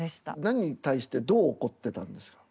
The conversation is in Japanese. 何に対してどう怒ってたんですか？